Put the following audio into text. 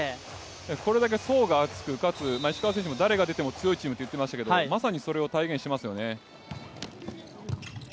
これだけ層が厚くかつ石川選手も誰が出ても強いチームといっていましたけれどもまさにそれを体現していますよね。